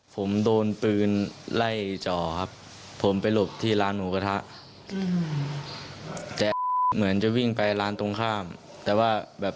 ผมโดนปืนไล่จ่อครับผมไปหลบที่ร้านหมูกระทะ